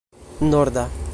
norda